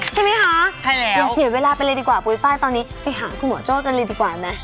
ใช่ไหมคะอย่าเสียเวลาไปเลยดีกว่าปุ๊ยฟ้ายตอนนี้ไปหาคุณหมอโจ๊กกันเลยดีกว่าไหม